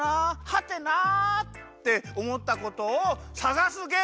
はてな？」っておもったことをさがすゲームです。